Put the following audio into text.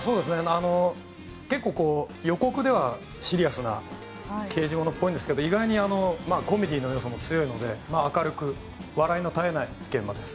結構、予告ではシリアスな刑事ものっぽいんですが意外にコメディーの要素も強いので明るく笑いの絶えない現場です。